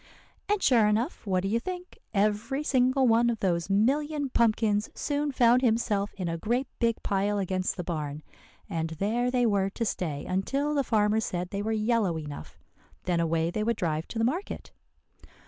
"And sure enough, what do you think. Every single one of those million pumpkins soon found himself in a great big pile against the barn, and there they were to stay until the farmer said they were yellow enough. Then away they would drive to the market!